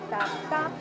tum tum tum